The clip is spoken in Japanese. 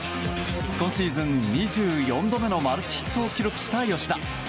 今シーズン２４度目のマルチヒットを記録した吉田。